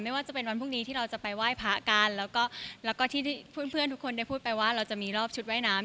ไม่ว่าจะเป็นวันพรุ่งนี้ที่เราจะไปไหว้พระกันแล้วก็ที่เพื่อนทุกคนได้พูดไปว่าเราจะมีรอบชุดว่ายน้ำ